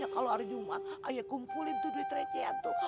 kalau hari jumat ayo kumpulin tuh dari trecean tuh